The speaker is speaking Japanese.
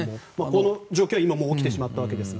この条件は今、起きてしまったわけですが。